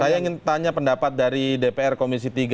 saya ingin tanya pendapat dari dpr komisi tiga